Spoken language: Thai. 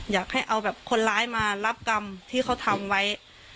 อยากให้เอาแบบคนร้ายมารับกรรมที่เขาทำไว้